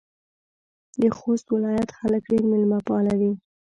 د خوست ولایت خلک ډېر میلمه پاله دي.